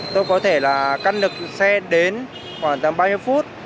tôi có thể là căn được xe đến khoảng gần ba mươi phút